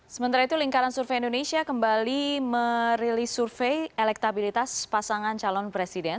sementara itu lingkaran survei indonesia kembali merilis survei elektabilitas pasangan calon presiden